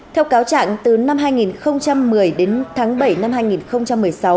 theo cáo trạng từ năm hai nghìn một mươi đến tháng bảy năm hai nghìn một mươi sáu